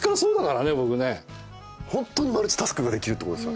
ホントにマルチタスクができるってことですよね。